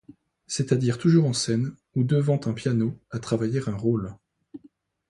C’est-à-dire toujours en scène, ou devant un piano à travailler un rôle.